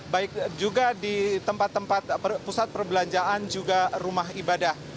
baik juga di tempat tempat pusat perbelanjaan juga rumah ibadah